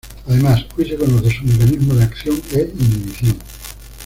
Además, hoy se conoce su mecanismo de acción e inhibición.